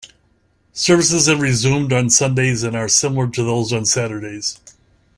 Services have resumed on Sundays and are similar to those on Saturdays.